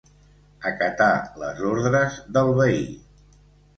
Acatar les ordres del veí.